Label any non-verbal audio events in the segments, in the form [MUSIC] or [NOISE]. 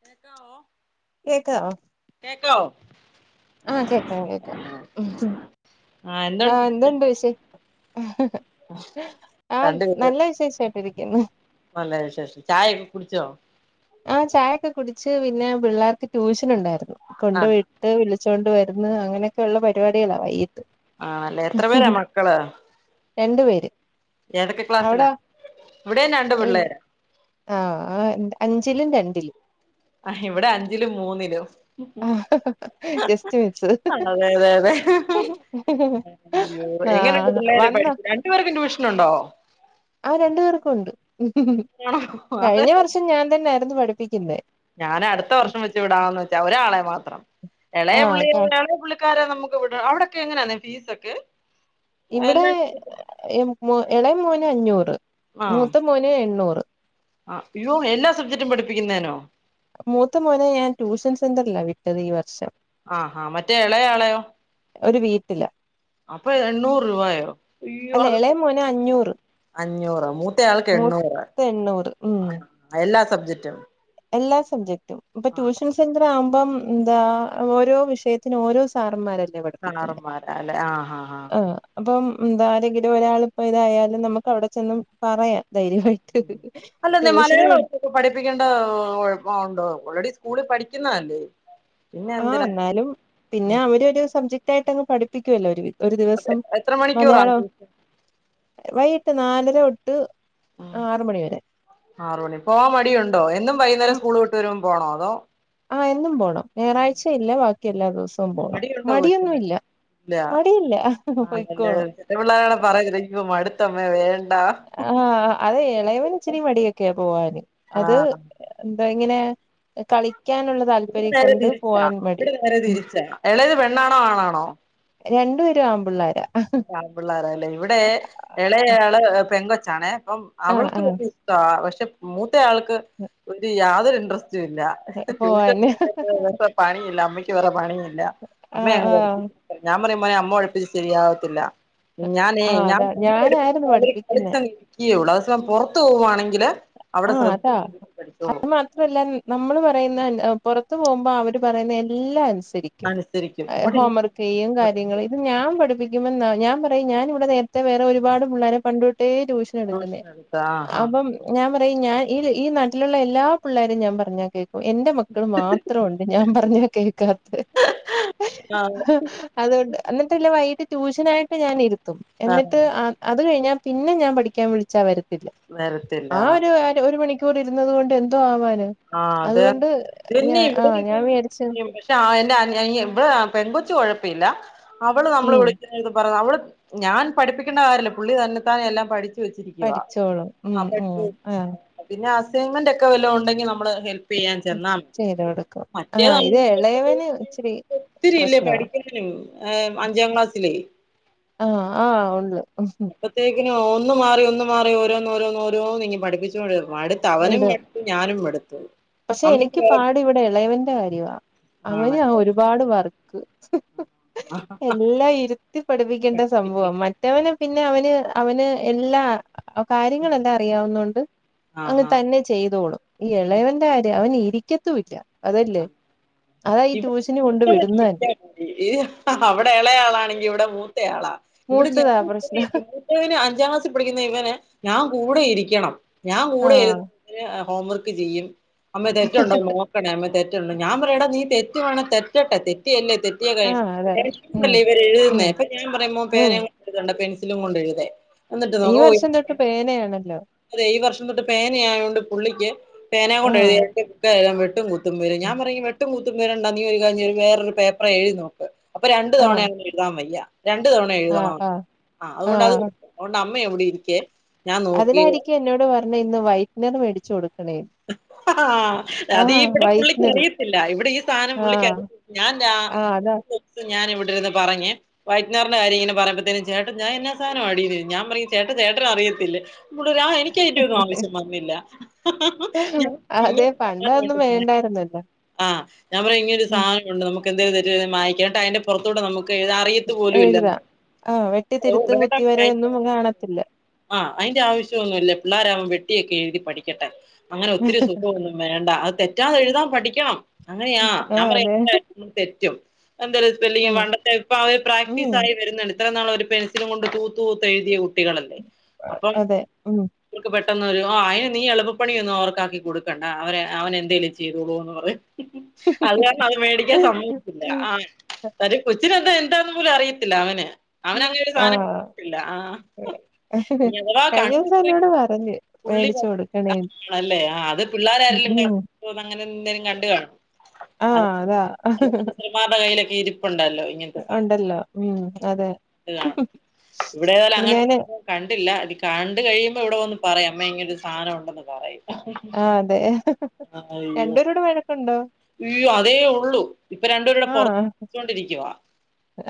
കേക്കാവോ കേക്കാഓ കേക്കാവോ ആ കേക്കാ കേക്ക ഉം ആഹ് ആ എന്തുണ്ട് വിശേഷം വിശി ആ രണ്ട് പേര് നല്ല വിശേഷായിട്ടിരിക്കുന്നു നല്ല വിശേഷം ചായയൊക്കെ കുടിച്ചോ ആ ചായൊക്കെ കുടിച്ച് പിന്നെ പിള്ളാർക്ക് ട്യൂഷനുണ്ടായിരുന്നു കൊണ്ട് ആഹ് വിട്ട് വിളി വച്ചൊണ്ട് വർന്ന് അങ്ങനെയൊക്കെയുള്ള പരിപാടികളാ വഴിയിൽ ആണല്ലേ എത്ര പേരാ മക്കള് രണ്ടു പേര് ഏതെക്കെ ക്ലാസ്സിലാ അവിടാ ഇവിടെയും രണ്ട് പിള്ളേരാ ആ ആ ഇന്ത അഞ്ചിലും രണ്ടിലും ആ ഇവിടെ അഞ്ചിലും മൂന്നിലും ജസ്റ്റ് മിസ് അതെതെതെ അയ്യോ എങ്ങനെണ്ട് ആഹ് പിള്ളേരെ പഠിപ്പ് രണ്ടു പേർക്കും ട്യൂഷ് ന്നുണ്ടോ ആ രണ്ടു പേർക്കുംണ്ട് ഉം ആണോ കഴിഞ്ഞ വർഷം ഞാൻ തന്നൊയായിർന്നു പഠിപ്പിക്കുന്നേ ഞാന് അടുത്ത വർഷം വെച്ച് വിടാന്ന് വെച്ച് ഒരാളെ മാ ത്രം എളേ പുള്ളി ആഹ് എളേ പുള്ളി ക്കാരെ നമ്മുക്ക് വിടണഅവിടൊക്കെ എങ്ങനെന്ന ഫീസൊക്കെ ഇവിടെ എല്ലാ ഇളയ മോന് ഇത് അഞ്ഞൂറ് മൂത്ത മോന് എണ്ണൂറ് ആ യ്യോ എല്ലാ സബ്ജക്ടും പഠിപ്പിക്കുന്നേനോ മൂത്ത മോനെ ഞാൻ ട്യൂഷൻ സെന്റർല്ല വിട്ടത് ഈ വർഷം ആ ആ മറ്റേ ഇളയയളേയോ ഒരു വീട്ടിലാ അപ്പൊ എണ്ണൂറ് രൂപയോ അയ്യോ അല്ല അത് ഇളയ ദേ മോന് അഞ്ഞൂറ് അഞ്ഞൂറ് മൂത്തയാൾക്ക് എണ്ണൂറ് മൂത്ത എണ്ണൂറ് ഉം എല്ലാ സബ്ജെക്റ്റും എല്ലാ സബ് ജറ്റും ഇപ്പൊ ട്യൂഷൻ സെൻ്ററാവു ഇപ്പം എന്താ ഓരോ വിഷയത്തിന് ഓരോ സാറുന്മാര ല്ലേ പഠിപ്പിക്കുന്നേ സാറന്മാരല്ലെ ആഹ് ആഹ് ആഹ് ആ അപ്പം എന്താ ആരെങ്കിലും ഒരാളിപ്പോ ഇതായാലും നമുക്കവിടെ ചെന്ന് പറയാം ധൈര്യമായിട്ട് അല്ലെന്നെ ട്യൂഷന് വിട് മലയാളവൊക്ക ഇപ്പം പഠിപ്പിക്കേണ്ട കൊഴപ്പഒണ്ടോ ഓൾറെഡി സ്കൂളിൽ പഠിക്കുന്നതല്ലേ പിന്നെ ആഹ് എന്തിനാ എന്നാലും പിന്നെ ഉം അവര് ഒരു സബ്ജക്ട് ആയിട്ട് അങ്ങ് പഠിപ്പിക്കുല്ല ഒരു വി ഒരു അപ്പൊ ദിവസം എത്ര മണിക്കൂറാ മലയാളം ട്യൂഷൻ വൈ ട്ട് നാലര തൊ അഹ് ആറു മണിപ്പൊ മടിയുണ്ടോ എന്നും വൈന്നേരം സ്കൂൾവിട്ട് വരു പോണോ അതോ ആഹ് എന്നും പോണം ഞായറാഴ്ചയില്ല വാക്കി എല്ലാ ദിസോം പോണം മടിയുണ്ടോ കൊച്ചിന് മടിയൊന്നുവില്ല ഇല്ല മടിയില്ല ആണല്ലേ പൊയ്ക്കോളും ത്തമ്മേ വേ ആഹ് അത് ഇളയവനിച്ചിരി മടിയൊക്കെയ പോവാന് ആ അത് എന്താ ഇങ്ങനെ കളി ഇവിടെ നേരെ തിരിച്ചാ ഇവിടെ മടിയാ നേരെ ഉം തിരിച്ചാ ഇളത് പെണ്ണാണോ ആണാണോ രണ്ടു പേരും ആമ്പിള്ളാരാ [UNINTELLIGIBLE] ആണ്പിള്ളരല്ലേ ഇവിടെ ഇളയാള് പെങ്കൊ ച്ചാണേ അപ്പം ആഹ് അവൾക്ക് ആഹ് വല്യ ഇഷ്ട പശ് ൻ്റെ മൂ ത്തെ ആൾക്ക് ഒരു യാതൊരു ഇൻ്റർസ് ഇല്ല ട്യൂഷൻ പോവാന് [UNINTELLIGIBLE] വേറെ പണില്ല അമ്മയ്ക്ക് വേറെ പണില്ല അമ്മ ആഹ് ആഹ് [UNINTELLIGIBLE] ഞാൻ പറെം മോനെ അമ്മ ഒള്പ്പിച്ച് ശരിയാവത്തില്ല ഉം ഞാനേ ആഹ് ഞാൻ അതാ ഞാനായിരുന്നു [UNINTELLIGIBLE] പഠിപ്പിക്കുന്നെ അത് സം പൊറത്ത് പോവുവാണെ ആഹ് അതാ അത് മാത്രല്ല ഉം നമ്മള് പറയ്ന്നന്നെ ഏ പൊറത്തു പോവുമ്പോ അവര് പറയ്ന്നെ എല്ലാ അന് സരിക്കും അനുസരിക്കും ഏ ഇവിടെ ഇരിക്കും ഹോംവർക്കെയ്യും കാര്യങ്ങള് ഇത് ഞാൻ പഠിപ്പിക്കുമ്പന്നാ ഞാൻ പറയും ഞാനിവിടെ നേരത്തെ വേറെ ഒരുപാട് പുള്ളാരെ പണ്ടൊ ട്ടെ ട്യൂഷനെടുക്കുന്നെ ട്യൂഷൻ എടുത്ത് ആഹ് ഹാ അപ്പം ഞാൻ പറയും ഞാൻ ഈ ഈ നട്ടിലുള്ള എല്ലാ പിള്ളരും ഞാൻപറഞ്ഞാ കേ എന്റെ മക്കള് മാത്രംഒണ്ട് ഞാൻ പറഞ്ഞ കേൾക്കാത്തെ ആഹ് അതൊണ്ട് അന്ന്ട്ടില്ലേ വൈട്ട ട്യൂഷനായിട്ട് ഞാൻ ഇ ആഹ് എന്നിട്ട് അത് കഴിഞ്ഞാ പിന്നെ ഞാൻ പഠിക്കാൻ വിളിച്ച വര നെരത്തെ ആ ഒരു അര ഒരു മണി ക്കൂർ ഇരുന്നത് കൊണ്ട് എന്തോ ആവാൻ ആഹ് അതെന്നെ ആഹ് ഞാൻ വിചാരിച്ച് [UNINTELLIGIBLE] ആ എന്റെ ഇവിടെ പെൺകൊച്ച് കൊഴപ്പ ഇല്ല അവള് നമ്മള് ഉം വിളിക്കുന്ന പറ അവള് ഞാൻ പഠിപ്പിക്കേണ്ട കാര്യല്ല പുള്ളി തന്നെത്താനെ എല്ലാം പഠി വിളിച്ചിരിക്കുവാ പഠിച്ചോളും ഉം അപ്പ ഉം ആ പിന്നെ ഹസ് അസ്സൈമെന്റൊക്കെ വല്ലോ ഉണ്ടെങ്കി നമ്മ നമ്മള് ഹെൽ പ്യൻ ചെന്നാ മതി ചെയ്ത് കൊടുക്കും ആഹ് മറ്റേതങ്ങ് ഇത് ഇളയവന് ഇച്ചിരി ഒത്തിരി ഇല്ലേ പ്രശ്നവാ പഠിക്കാനും അഞ്ചാം ക്ലാസ്സിലെയ് ആഹ് ആഹ് ഒണ്ട് അപ്പത്തേക്ക് ഒന്ന് മാറി ഒന്ന് മാറി ഓരോന്നോരോന്നോരോ നിങ്ങ് പഠിപ്പിച്ചുകൊണ്ട മടുത്ത് അവനും ഇടും മടുത്തു ഞാനും മടുത്തു പക്ഷെ എനിക്ക് അമ്മയ്ക്ക് പാട് ഇവിടെ ഇളയവന്റെ കാര്യവാ അവന് ആ ആണല്ലേ ഒരുപാട് പറ ആ എല്ലാം ഇരുത്തി പഠിപ്പിക്കേണ്ട സംഭവ പഠിപ്പിക്കണ്ട് മറ്റവന് പിന്നെ അവന് അവന് എല്ലാ ആ കാര്യങ്ങളെല്ലാം അറിയാവുന്നൊണ്ട് അങ്ങ് ആഹാ തന്നെ ചെയ്തോളും ഈ ഉം ഇളയവൻ അവൻ ഇരിക്കത്തും ഇല്ല ആ. അതല്ലേ അതാ ഈ ട്യൂഷന് കൊണ്ട് വിടുന്ന തന്നെ അവിടെ ഇളയാളാണെങ്കി ഇവിടെ മൂത്തയാളാ ഇവിടെ മൂത്തതാ പ്രശ്നം ഞാന് അഞ്ചാംക്ലാസിൽ പഠിക്കുന്ന ഇവന് ഞാൻ കു കൂടെ ഇരിക്കണം ഞാൻ കൂടെ ഇരു ആഹ് ഹോംവർക്ക് ചെയ്യും അമ്മ തെറ്റുണ്ടോന്ന് നോക്കണേ അമ്മേ തെറ്റുണ്ട ഞാൻ പറയുമെടാ നീ തെറ്റ് വേണം തെറ്റട്ടെ തെറ്റിയല്ലേ തെറ്റിയ കഴിയും ആഹ് [INAUDIBLE] അതെ ഉം യുംകൊണ്ടല്ലേ ഇവരെഴുതുന്നേ ഉം അപ്പം ഞാൻ പറയും മോൻ ഉം പേനയുംകൊണ്ട് എഴുതണ്ട പെൻസിലും ത്തിലും കൊണ്ടെഴുതേ ഈ വർഷം തൊട്ട് പേനയാണല്ലോ എന്നിട്ട് പേനയായോണ്ട് പുള്ളിക്ക് പേനയും കൊണ്ട് എഴുതിയ ആഹ് തെറ്റാകുമോ ഞാൻ പറയും വെട്ടും കു ണ്ട നീ ഒരു കാര്യം ചെയ്യ് വേറൊരു പേപ്പർ എഴുതി നോക്ക് അപ്പൊ രണ്ട് തവണ ആഹ് അവന് എഴുതാൻ വയ്യ രണ്ടു തവണ ആഹ് ഏഴുതണോ ആഹ് ആ അതുകൊണ്ട് അത് ആഹ് അതുകൊണ്ട് അമ്മ അമ്മ ഇവിടിരിക്കേ അതിനായിരിക്കും എന്നോട് പ അമ്മേ ഇന്ന് വൈറ്റ്നർ മേടിച്ചു കൊടു ആ അത് ഇവിടെ പുള്ളിക്ക് വൈറ്റ്നർ അറിയത്തില്ല ഇവിടെ ഈ സാധനം ആഹ് പുള്ളിക്കറിയതില്ല ഞാൻ രാ ആഹ് അതാ [INAUDIBLE] ഞാൻ ഇവിടെ ഇവിടിരുന്ന് പറഞ്ഞ് വൈറ്റ്നറിന്റെ കാര്യം ഇങ്ങനെ പറയുമ്പഴത്തേന് ചേട്ടൻ ഞാൻ എന്നാ സാധനം ആടി അത് ഞാൻ പറയും ചേട്ട ചേട്ടന് അറിയത്തില്ലേ പുള്ളി പറയും ആ എനിക്ക് അതിന്റെയൊന്നും ആവശ്യം വന്നില്ല അതെ പണ്ടതൊന്നും വേണ്ടായിരുന്നല്ലോ ആ ഞാൻ പറയും ഇങ്ങനൊരു ഉം സാധനം കൊണ്ട് നമ്മു എന്തേലും തെറ്റ് ചെയ്ത മായിക്കേണ്ട അതിന്റെ പുറത്തൂടെ നമുക്ക് എഴുതാൻ അറിയത്തുപോലുമില്ലെന്ന് എഴുതാം ആഹ് വെട്ടിത്തിരുത്തും കുത്തിവരയൊന്നും കാണത്തില്ല ആ അതിന്റെ ആവശ്യം ഒന്നുംമില്ല പിള്ളോരവുമ്പോ വെ റ്റിയൊക്കെ എഴുതി പഠിക്കട്ടെ അങ്ങനെ ഒത്തിരി സുഖമൊന്നും വേണ്ട അത് തെറ്റ് തെറ്റാതെ എഴുതാൻ പഠിക്കണം അങ്ങനെയാ ഞാൻ ആഹ് പറയും അതെ എത്രയായാലും നമുക്ക് തെറ്റും എന്താലും സ്പെല്ലിങ് ഉം പണ്ടത്തെ ഇപ്പം അവര് പ്രാക്ടീസ് ഉം ആയി വരുന്നുണ്ട് എത്ര നാൾ ഒരു പെൻസിലും കൊണ്ട് തൂത്തൂത്ത് എഴുതിയ കുട്ടികളല്ലേ അതെ ഉം പെട്ടന്നു വരുവോ ആയെ നീ എളു പണിയൊന്നും അവർക്കാക്കി കൊടുക്കണ്ട അവനെ അവന് എന്തേലും ചെയ്തോളൂന്ന് പറയും അത് കാരണം അത് മേടിക്കാൻ സമ്മതിക്കില്ല ആ അത് കൊച്ചിനെതെലും എന്താന്ന് പോലും അറിയത്തില്ല അവന് അവനങ്ങനെ ഒരു ആ സാധനം കണ്ടിട്ടില്ല ആഹ് ഇനി അഥവാ കഴിഞ്ഞ കണ്ടു ദിവസം എന്നോട് പറഞ്ഞു മേടിച്ചു കൊടുക്കാൻ ല്ലേ ആ അത് പിള്ളോരരെലും ഉം അങ്ങനെ ന്തെലും കണ്ട് കാണും ആഹ് അതാ [UNINTELLIGIBLE] കയ്യിലൊക്കെ ഇരി ണ്ടല്ലോ ഇങ്ങനത്തെ സാധനം ഉണ്ടല്ലോ ഉം അതെ ഇവിടന്തായാലും ഇവിടെ ഞാന് അങ്ങനത്തെ കണ്ടില്ല അത് കണ്ട കഴിയുമ്പോ ഇവിടെ വന്ന്‌ പറയും അമ്മേ ഇങ്ങനൊരു സാനം ഉണ്ടെന്ന് എന്ന്‌ പറയും ആഹ് അതെ അയ്യോ രണ്ടുപേരൂടെ വഴക്കുണ്ടോ യ്യോ അതേ ഉള്ളൂ ഇപ്പൊ രണ്ടേരൂടെ ആഹ് പുറത്തൊണ്ടിരിക്ക്വാ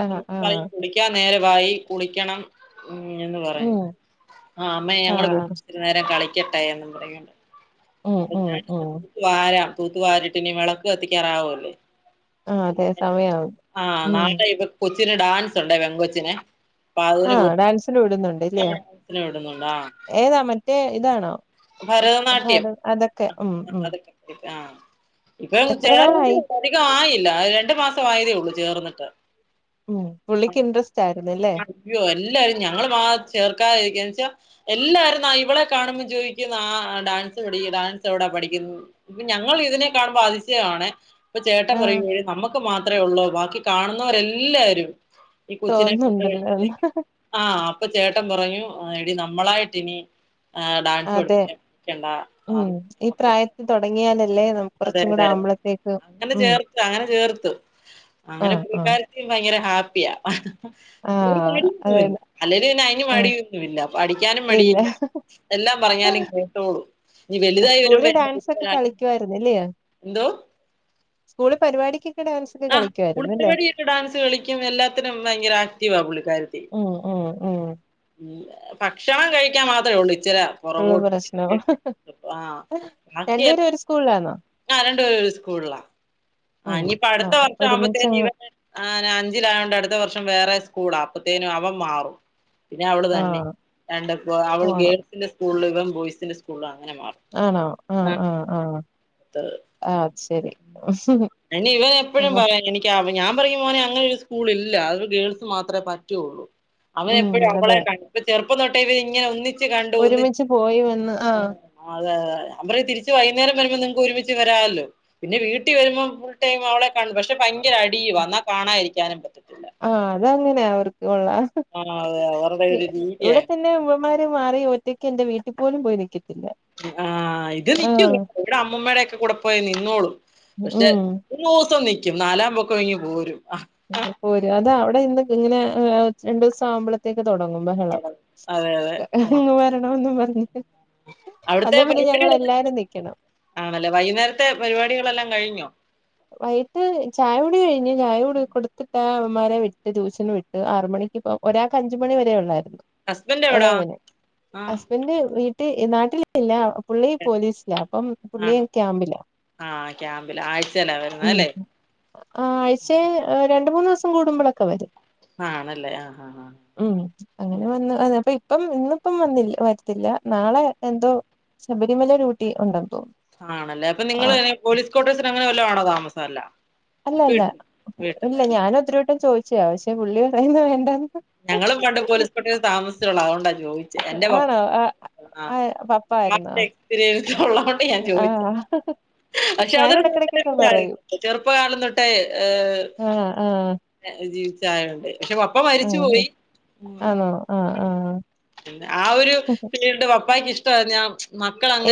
അപ്പൊ ആഹ് ആഹ് [UNINTELLIGIBLE] കുടിക്കാൻ നേരം വായി കുളിക്കണം ഉ എന്ന് പറയും ഉം ആ അമ്മേ ഞങ്ങള് ആഹ് ഇത്തിരി നേരം കളി [UNINTELLIGIBLE] ഇവിടെയുംണ്ട് ഉം അപ്പൊ ഉം ഞാൻ ഉം [UNINTELLIGIBLE] വാരം തൂത്ത് വാരിട്ടിനി വിളക്ക് കത്തിക്കാറാവല്ലേ ആ അതെ സമയാവു ഉം ച്ചന് ഡാൻസ് ഉണ്ടേ പെങ്കോച്ചിനെ ആ ഡാൻസിന് വിടുന്നുണ്ട് ഇല്ലയോ വിടുന്നുണ്ട് ആഹ് ഏതാ മറ്റേ ഇതാണോ അപ്പോ ഭരതനാട്യം അതോ അതൊക്കെ ഉം ഉ ആ ഇപ്പൊ ചേർന്നിട്ടെ ഉള്ളു അധിക ആയി ല്ല രണ്ടു മാസം ആയതേ ഉള്ളൂ ചേർന്നിട്ട് ഉം ആ പുള്ളിക്ക് ഇൻട്രസ്റ്റ് ആയിരുന്നല്ലേ അ അയ്യോ എല്ലാരും ഞങ്ങള് മാ ചേർക്കായിരിക്ക ച്ചാ എല്ലാരും ന്നാ ഇവളെ കാണുമ്പോ ചോയി ഠുന്ന ആ ഡാൻസ് പടിക്ക് ഡാൻസ് എവിടാ പഠിക്കുന്നെ ഇപ്പൊ ഞങ്ങൾ ഇതിനെ കാണുമ്പോ അതിശയമാണ് ഇപ്പൊ ചേട്ടൻ ആഹ് പറയും നമ്മുക്ക് മാത്രേ ഉള്ളൂ ബാക്കി കാനിന്നോരെല്ലാരും ഈ കൊച്ചിനെ തോന്നുന്നുണ്ടല്ലോ [UNINTELLIGIBLE] ആ അപ്പൊ ചേട്ടൻ പറഞ്ഞു ആ എടി നമ്മളായിട്ടിനി ആ ഡാൻസ് പടി ഉ ഈ പ്രായത്തി തുടങ്ങിയാലേ അതെ അതെ അതെ അങ്ങനെ ഉം ചേർത്തതാ അങ്ങനെ ചേർത്തു അങ്ങനെ ആഹ് ആഹ് പുള്ളികാരത്തി ഭയങ്കര ഹാ പ്പിയാ ഒരു ആഹ് മടിയോന്നുല്ല അതെന്നെ അല്ലേലും പിന്നെ അയിന് ആഹ് മടിയൊന്നുമല്ല പടിക്കാനും ഇല്ല മടിയില്ല എല്ലാം പറഞ്ഞാലും കേട്ടോളും നി വലുതായി വരുമ്പോ എന്റെ [UNINTELLIGIBLE] ല്ലയേ എന്തോ സ്കൂള് പരിപാടിക്ക് ആ സ്കൂൾ പരിപാടിഒക്കെ ഡാൻസ് കളിക്കും എല്ലാത്തിനും ഭയങ്കര ആക്റ്റീവ പുള്ളിക്കാര്ത്തി ഉം ഉം ഉം ഭക്ഷണം കഴിക്കാൻ മാത്ര ഉള്ളൂ ഇച്ചിര ഉള്ള പുറകോട്ട് പ്രശ്ന രണ്ടുപേരും ഒരു സ്കൂളിലാന്നോ ആ രണ്ടുപേരും ഒരു സ്കൂളിലാ ആ ഉം ഇനിയിപ്പോ അടുത്ത ആഹ് വർഷം ആവുമ്പോത്തേന് ഒരുമിച്ചങ്ങ് ഇവ അഞ്ചിലായോണ്ട് അടുത്ത വർഷം വേറെ സ്കൂ കൂള അപ്പത്തേനും അവന് മാറും പിന്നെ അവൾ തന്നെ ആഹ് രണ്ടപ്പോ അവൾ പോണം ഗേൾസിന്റെ സ്കൂളില് ഇവൻ ബോയ്സിന്റെ സ്കൂളാണ് ആണോ ആ ആ ആ ആ ശരി അയിന് ഇവൻ എപ്പോഴും അപ്പൊ പറയും എനിക്ക് ആവ ഞാൻ പറയും മോനെ അങ്ങനെ ഒരു സ്കൂളില്ല അവിടെ ഗേൾസ് മാത്രേ പറ്റുള്ളൂ അവൻ ഉം എപ്പഴും അവളെ അതെ കൻ ഡിറ്റ് ചേർ ഇങ്ങെനെളതൊട്ടേ ഇവനി ഒന്നിച്ചു കണ്ടു അതെ ഒരുമിച്ച് പോയി വന്ന് ആഹ് അതെ നാപറയാ തിരിച്ച് വൈകുന്നേരം വരുമ്പോ നിങ്ങക്ക് ഒരുമിച്ച് വരാല്ലോ പിന്നെ വീട്ടി കുട്ടി വരുമ്പോം ഫുൾ ടൈം അവളെ കാണും പക്ഷെ ഭയരഅടി വന്നാ കാണാരിക്കാനും പറ്റുല്ല ആ അതങ്ങനെയ അവർക്ക് ഇവളെ ആഹ് അതെ അവരുടെ ഒരു രീതിയ ഇവിടെ തന്നെ ആവു ആവാൻമാര് മാറി ഒറ്റയ്ക്ക് എന്റെ വീട്ടിൽ പോലും പോയി നിൽക്കില്ല ആഹ് ഇത് നിക്കൂ ഇവിടെ അമ്മമ്മയുടെ ഒക്കെ കൂടെ പോയി നിന്നോളൂ പക്ഷെ ഉം മൂന്ന് ദിവസം നിക്കു ക്കും നാലാം പക്കം ഇങ്ങ് പോരും പോരും അത അവ ൾ ഇന്ന് ഇങ്ങനെ രണ്ട് ദിസ ആവുമ്പോഴത്തേക്ക് തുടങ്ങും ബഹളം അതെ അതെ ആ. ഹ് വരണന്ന് പറ [UNINTELLIGIBLE] അവിടുത്തെ പരിപാടികളല്ലാം നിക്കണം ആണല്ലേ വൈകുന്നേരത്തെ പരിപാടികളെല്ലാം കഴിഞ്ഞോ വൈകിട്ട് ചായ കുടി കഴിഞ്ഞ് ചായ കുടി കൊടുത്തിട്ടാ അവമാരെ വിട്ട് ട്യൂഷന് വിട്ട് ആർ മണിക്ക് ഒരാൾക്ക് അഞ്ച് മണി വരെഉള്ളായിരുന്നു ഹസ്ബൻഡ് എവിടാ ഇളയവന് ആഹ് ഹസ്ബൻറ്റ്‌ വീട്ട നാട്ടിലില്ല പുള്ളി പോലീസ് ആണോ ആ ക്യാമ്പില ആഴ്ചല വര ഉ ഉം ആഴ്ച്ച വ രണ്ട് മൂന്ന് ദിവസം കൂടുമ്പോഴൊക്കെ വരും ആണല്ലേ ആഹ് ആഹ് ആഹ് ഉം അങ്ങനെ ഉം വന്ന്പ്പ ഇപ്പം ഇന്ന്പ്പം വന്നില്ല വര്ത്തില്ല നാളെ എന്തോ ശബരിമല ഡ്യൂട്ടി ഉണ്ടന്ന് ആണല്ലേ അപ്പ നിങ്ങള് പോലീസ് കോട്ടേഴ്സ്ന ങ്ങനെ വല്ലോ ആണോ താമസം അല്ല അല്ല അല്ല വീട്ടിൽ വീട്ടിലാ ഇല്ല അല്ലേ? ഞാനും ഒത്തിരിവട്ടം ചോയി ച്ചാ പക്ഷേ പുള്ളി കൈയ്യിന്ന് വേണ്ടാന്ന് ഞങ്ങളും പണ്ട് പോലീസ് കോട്ടേഴിൽ താമസിച്ചോളാ അവോണ്ടാ ദ്രോഹിച്ചെ എന്റെ പ ആണോ ആ ആഹ് ആ പപ്പ എത്ര ആയിരുന്നോ നാളത്തെ എക്സ്പീരിയൻ ള്ള ഞാൻ ചോദിച്ച ആഹ് പക്ഷെ ഞാൻ അതൊരു ഇടക്കിടക്കൊക്കെ പറയും ചെറുപ്പകാലംന്നൊട്ടേ ആഹ് ആഹ് ജീവിച്ചയോണ്ട് പക്ഷെ പപ്പ മരിച്ച ച്ചു പോയി ആഹ് ഉം ആണോ ആഹ് ആഹ് ആ ഒരു പിന്നീട് പപ്പായ്ക്ക് ഇഷ് ടാ ഞാ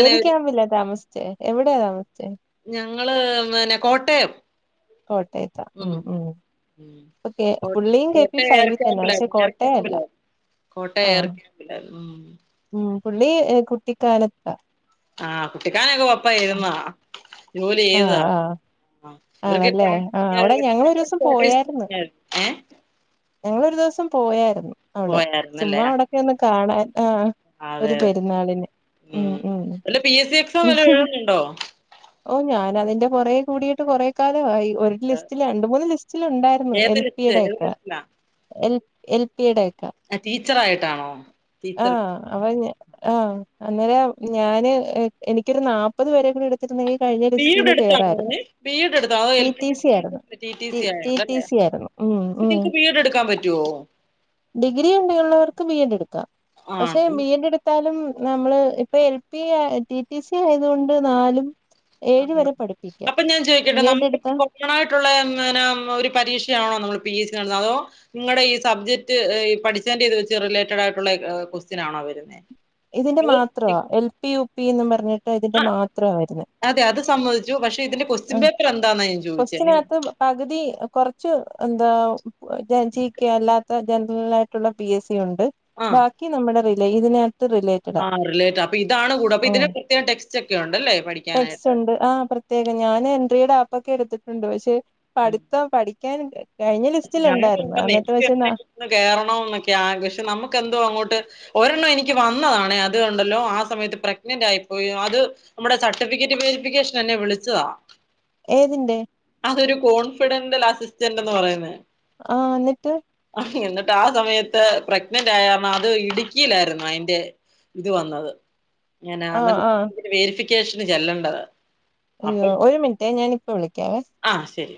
ഏത് ക്യാമ്പില്ല താമസിച്ചേ എവിടെയാ താമസിച്ചേ ങ്ങള് പിന്നെ കോട്ടയം കോട്ടയത്തേ ഉം ഉം ഓക്കെ കോ പുള്ളിയും കെ കോട്ട പി ഏർ ഫൈവിൽ തന്നെ യാമ്പിലായി പക്ഷെ ഏർ ക്യാമ്പില കോട്ടയല്ല കോട്ടയ ഏർ ആഹ് ക്യാമ്പില ഉ ഉം പുള്ളി കുട്ടിക്കാലത്താ ആഹ് കുട്ടിക്കാനൊക്കെ കൊയപ്പായിരുന്നോ ജോലി ആഹ് ഏതാ ആഹ് ഇവറക്ക് ആണല്ലേ ആഹ് അവിടെ ഞങ്ങളൊരു [UNINTELLIGIBLE] ദിവസം കോട്ടേഴ്സ് ഏ ഞങ്ങളെരു ദിവസം പോയായിരുന്നു അവിടെ ചുമ്മാ അവിടെൊക്കെ ഒന്ന് കാണാൻ ആഹ് ഒരു അതെതെ പെരുന്നാളിന് ഉം ഉ അല്ല പി എസ് സി എക്സാം ഉം വല്ലേഎഴുതുന്നുണ്ടോ ഓ ഞാനതിന്റെ പെറെകെ കൂടിട്ട് കുറെ ക്കാലമായി ഒരു ലിസ്റ്റില് രണ്ട മൂന്ന് ലിസ്റ്റിൽ ഉണ്ടായിരുന്നു ഏത് എൽ പി ലിസ്റ്റ് യുടെ ഏത് ഒക്കെ ലിസ്റ്റിലാ എൽ എൽ പി ടെ കെ ടീച്ചർ ആയിട്ടാണോ ടീച്ചർ ആഹ് അവ ഞ ആഹ് അന്നേരം ഞാന് എനിക്കൊരു നാല്പ്പത് പെരെ കൂടി എടുത്തിരുന്നെങ്കിൽ വീടെ അടുത്താണേ വീ റ്റി ട്ടി സി ആയിരുന്നു റ്റി റ്റി ആയോണ്ടല്ലേ സി ആയിരുന്നു ഉം അപ്പൊ ഉം നിങ്ങക്ക് ബി എഡ് എടുക്കാൻ പറ്റുവോ ഡിഗ്രി ഉണ്ട ഉള്ളവർക്ക് ബി എഡ് എടുക്കാം പക്ഷെ ബി ആണോ എഡ് എടു [UNINTELLIGIBLE] നമ്മള് ഇപ്പ L P T T C ആയത കൊണ്ട് നാലും ഏഴ് ആഹ് വരെ പഠിപ്പിക്കാം അപ്പൊ ഞാൻ ചോയി ബി എഡ് നമുക്കി എടുത്താ കൊറോണായിട്ടുള്ള ഒരു പരീക്ഷയാണോ നമ്മൾ ഇ പി സി കാണ അതോ നിങ്ങളുടെ ഈ സബ്ജക്ട്ഈ പഠിച്ചന്റയത് വെച്ച് റിലേറ്റഡ് ആയിട്ടുള്ള കൊസ്റ്റിനാണോ വരുന്നുന്നത് ഇതിന്റെ മാത്ര എൽ പി യൂ പി പിന്ന് പറഞ്ഞ് ഇതിന്റെ ആ മാത്രമായിരുന്നു അതെ അത് സമ്മതിച്ചു പക്ഷെ ഇതിന്റെ ക്വസ്റ്റ്യൻ പേപ്പർ എന്താന്നാ ഞാൻ ചോദിച്ചത് നി- കൊസ്റ്റിനകത്ത് പകുതി കുറച്ച് എന്താ ജി കെ അല്ലാത്ത ജനറൽ ആയിട്ടുള്ള പി എസ് സി ണ്ട് ആ ബാക്കി നമ്മടെ റേ അല്ലെ ഇതിനക ആ റിലേറ്റ് അപ്പൊ ഇതാണ് കൂട അപ്പൊ ഇതിന് പ്രത്യേകം ടെക്സ്റ്റ് ഒക്കെ ഉണ്ടല്ലേ പഠിക്കാനായിട്ട് പുത്രയുടെ അപ്പൊക്കെ എടുത്തിട്ടുണ്ട് പക്ഷെ പഠിത്തം പഠിക്ക [UNINTELLIGIBLE] ഞാൻക്ക്ന്ന് കേയറണോ എന്നൊക്കെയാ പക്ഷെ നമ്മുക്കെന്തോ അങ്ങോട്ട് ഒരെണ്ണം എനിക്ക് വന്നതാണേ അതു കണ്ടല്ലോ ആ സമയത്ത് പ്രഗ്നന്റ് ആയിപ്പോയോ അത് നമ്മുടെ സർട്ടിഫിക്കറ്റ് വെരിഫിക്കേഷൻ എന്നെ വിളിച്ചതാ ഏതിന്റെ അതൊരു കോൺഫിഡന്റൽ ആ സിസ് ണ്ടന്ന് പറയുന്നെ ആ ന്നിട്ട് എന്നിട്ട് ആ സമയത്ത് പ്രഗ്നന്റ് ആയ [UNINTELLIGIBLE] അത് ഇടുക്കിയിലായിരുന്നു അയിന്റെ ഇത് വന്നത് ഞാനാ ആഹ് [UNINTELLIGIBLE] ആഹ് ട്ടേഷന് ചെല്ലേണ്ടതാ അയ്യോ ഒരു മിൻറ്റെ ഞാനിപ്പോ വിളിക്കാം ക്യവേ ആ ശരി